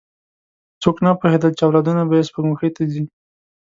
څوک نه پوهېدل، چې اولادونه به یې سپوږمۍ ته ځي.